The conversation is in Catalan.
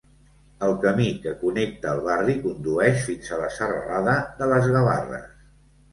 El camí que connecta el barri condueix fins a la serralada de les Gavarres.